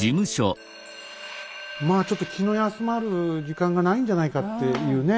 まあちょっと気の休まる時間がないんじゃないかっていうね。